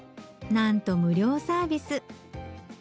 なんと無料サービス